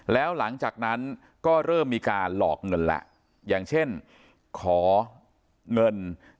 แล้วหลังจากนั้นก็เริ่มมีการหลอกเงินแล้วอย่างเช่นขอเงิน